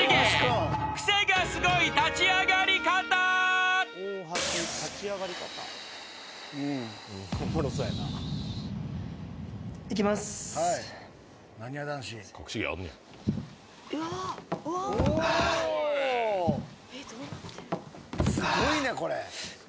すごいねこれ。